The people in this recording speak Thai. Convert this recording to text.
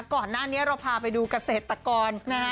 ก่อนหน้าเราพาไปดูเกษตรกร